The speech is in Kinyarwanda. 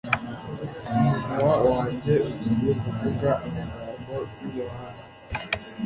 umunwa wanjye ugiye kuvuga amagambo y'ubuhanga